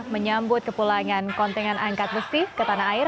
menyambut kepulangan kontingen angkat besi ke tanah air